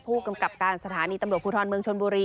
ผู้กำกับการสถานีตำรวจภูทรเมืองชนบุรี